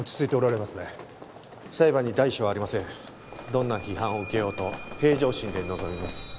どんな批判を受けようと平常心で臨みます。